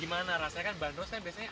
gimana rasanya kan bandrosnya biasanya